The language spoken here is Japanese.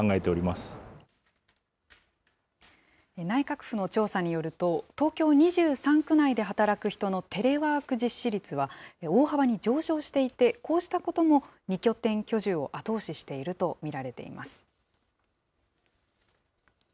内閣府の調査によると、東京２３区内で働く人のテレワーク実施率は、大幅に上昇していて、こうしたことも２拠点居住を後押ししていると見られています。